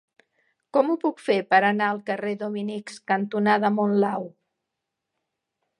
Com ho puc fer per anar al carrer Dominics cantonada Monlau?